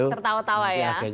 gegeran tertawa tawa ya